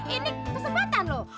ini kesempatan loh